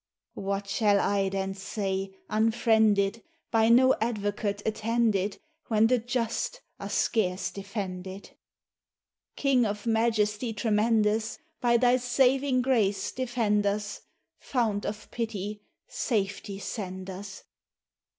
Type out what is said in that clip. What shall I then say, unfriended, By no advocate attended, When the just are scarce defended? King of majesty tremendous, By thy saving grace defend us, Fount of pity, safety send us!